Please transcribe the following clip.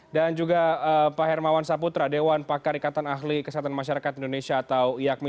dan juga pak hermawan saputra dewan pakar ikatan ahli kesehatan masyarakat indonesia atau iakmi